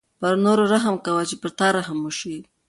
پر نورو رحم کوه چې په تا رحم وشي.